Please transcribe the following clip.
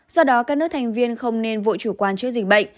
do đó các nước thành viên không nên vội chủ quan trước dịch bệnh